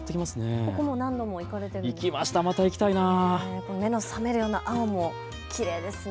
ここも何度も行かれているんですか。